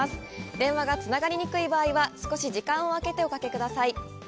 電話がつながりにくい場合は少し時間を空けておかけください。